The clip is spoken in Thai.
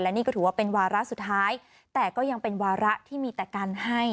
นี่ก็ถือว่าเป็นวาระสุดท้ายแต่ก็ยังเป็นวาระที่มีแต่การให้